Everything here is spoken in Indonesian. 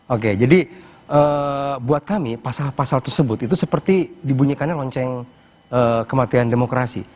oke jadi buat kami pasal pasal tersebut itu seperti dibunyikannya lonceng kematian demokrasi